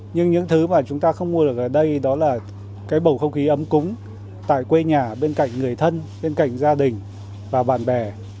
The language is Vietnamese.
nhưng những thứ mà chúng ta không mua được ở đây đó là cái bầu không khí ấm cúng tại quê nhà bên cạnh người thân bên cạnh gia đình và bạn bè